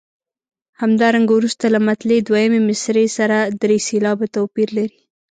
همدارنګه وروسته له مطلع دویمې مصرع سره درې سېلابه توپیر لري.